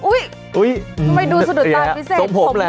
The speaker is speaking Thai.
อุ๊ยอุ๊ยงั้นต้องไปดูสดุตรตอนพิเศษต้มผมแหละ